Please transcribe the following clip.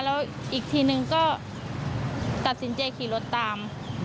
แล้วอีกทีนึงก็ตัดสินใจขี่รถตาม